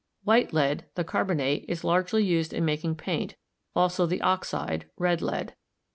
White lead (the carbonate) is largely used in making paint, also the oxide, red lead.